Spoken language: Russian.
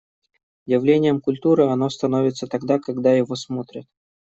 Явлением культуры оно становится тогда, когда его смотрят.